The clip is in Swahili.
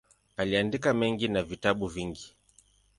Aliandika mengi na vitabu vingi.